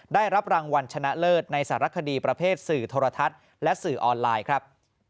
ได้รับรางวัลชนะเลิศในสารคดีประเภทสื่อโทรทัศน์และสื่อออนไลน์ครับ